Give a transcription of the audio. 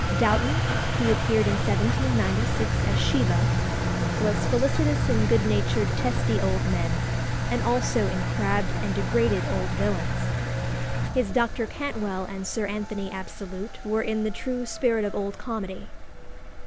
Dowton, who appeared in 1796 as Sheva, was felicitous in good natured testy old men, and also in crabbed and degraded old villains. His Dr. Cantwell and Sir Anthony Absolute were in the true spirit of old comedy.